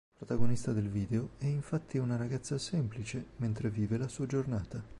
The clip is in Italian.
Protagonista del video è infatti una ragazza semplice, mentre vive la sua giornata.